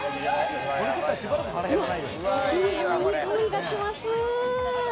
チーズのいい香りがします。